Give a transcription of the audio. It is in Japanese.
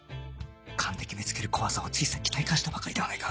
カンで決めつける怖さをついさっき体感したばかりではないか